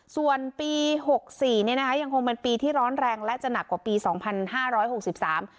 ส่วนปีหกสี่เนี้ยนะคะยังคงเป็นปีที่ร้อนแรงและจะหนักกว่าปีสองพันห้าร้อยหกสิบสาม